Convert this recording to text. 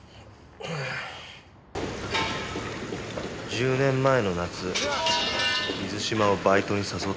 １０年前の夏水嶋をバイトに誘ったんです。